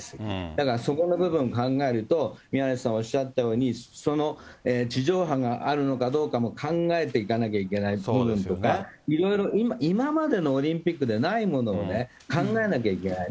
だからそこの部分考えると、宮根さんおっしゃったように、地上波があるのかどうかも考えていかなきゃいけない部分とか、いろいろ今までのオリンピックでないものをね、考えなきゃいけない。